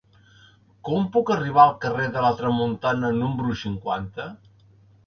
Com puc arribar al carrer de la Tramuntana número cinquanta?